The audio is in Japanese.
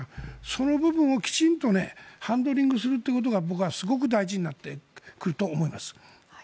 その部分をきちんとハンドリングするということが僕はすごく大事になってくると思います。